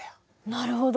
なるほど。